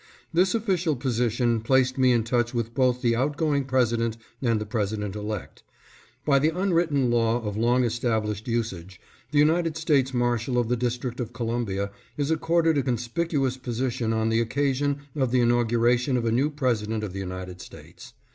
This official position placed me in touch with both the out going President and the President elect. By the un written law of long established usage, the United States Marshal of the District of Columbia is accorded a con spicuous position on the occasion of the inauguration of a new President of the United States.